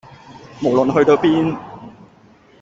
無論去到邊